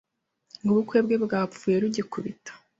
ngo ubukwe bwe bwapfuye rugikubita